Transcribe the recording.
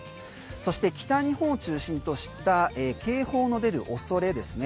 そして北日本を中心とした警報の出る恐れですね。